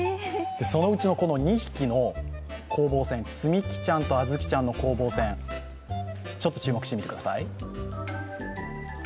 そのうちの２匹の攻防戦つきみちゃんとあずきちゃんの攻防戦、ちょっと注目してください。